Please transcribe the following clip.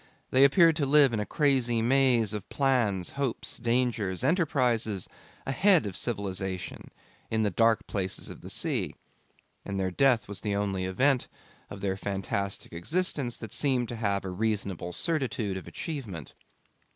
They appeared to live in a crazy maze of plans, hopes, dangers, enterprises, ahead of civilisation, in the dark places of the sea; and their death was the only event of their fantastic existence that seemed to have a reasonable certitude of achievement.